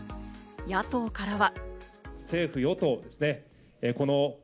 野党からは。